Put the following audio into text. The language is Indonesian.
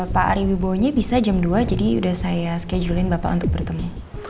pak ari wibowo bisa jam dua jadi udah saya schedulein bapak untuk bertemu